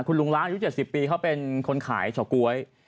คุณลุงล้างอายุ๗๐ปีเขาเป็นคนขายเฉาก๊วย